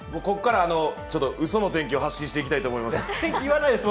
ここからはうその天気を発信していこうと思います。